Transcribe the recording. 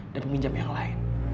dan minjam yang lain